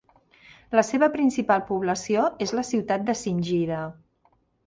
La seva principal població és la ciutat de Singida.